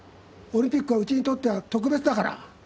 オリンピックはうちにとっては特別だから。